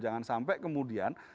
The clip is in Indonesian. jangan sampai kemudian